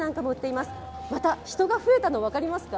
また、人が増えたの分かりますか？